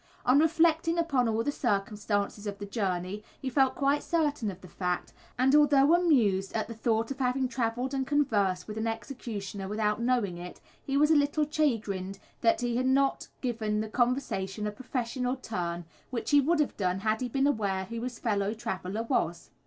On reflecting upon all the circumstances of the journey, he felt quite certain of the fact; and although amused at the thought of having travelled and conversed with an executioner without knowing it, he was a little chagrined that he had not given the conversation a "professional" turn, which he would have done had he been aware who his fellow traveller was.